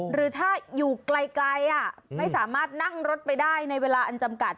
หรือถ้าอยู่ไกลไม่สามารถนั่งรถไปได้ในเวลาอันจำกัด